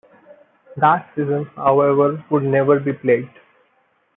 That season however would never be played.